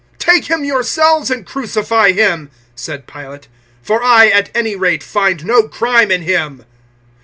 "Take him yourselves and crucify him," said Pilate; "for I, at any rate, find no crime in him."